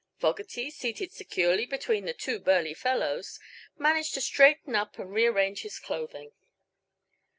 Fogerty, seated securely between the two burly fellows, managed to straighten up and rearrange his clothing.